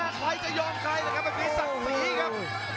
ใดจะยอมใครหละครับเป็นพี่ศักดิ์ศรีครับ